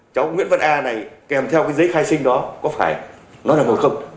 cháu nguyễn văn a này kèm theo cái giấy khai sinh đó có phải nó là một không